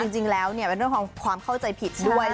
จริงแล้วเป็นเรื่องของความเข้าใจผิดด้วย